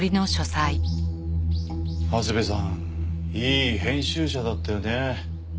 長谷部さんいい編集者だったよね。